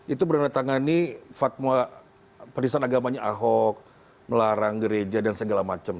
itu bernama tangani fatma perisian agamanya ahok melarang gereja dan segala macam